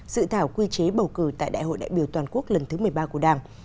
dự thảo quy chế bầu cử tại đại hội đại biểu toàn quốc lần thứ một mươi ba của đảng